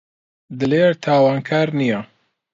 دلێر تاوانکار نییە.